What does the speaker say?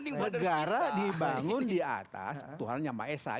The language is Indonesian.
negara dibangun di atas tuhan yang maesah